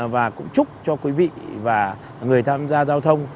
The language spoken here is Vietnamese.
và cũng chúc cho quý vị và người tham gia giao thông